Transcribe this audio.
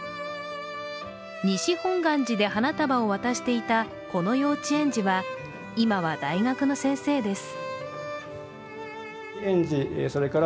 西本願寺で花束を渡していたこの幼稚園児は今は大学の先生です。